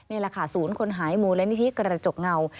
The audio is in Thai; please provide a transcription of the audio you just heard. นี่แหละค่ะศูนย์คนหายมูลนิธิกระจกเงา